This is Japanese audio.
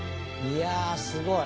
「いやすごい。